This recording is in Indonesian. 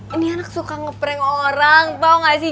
ini anak suka ngeprank orang tau gak sih